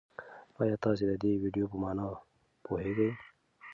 ایا تاسي د دې ویډیو په مانا پوهېږئ؟